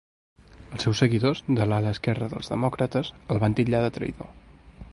Els seus seguidors, de l’ala esquerra dels demòcrates, el van titllar de traïdor.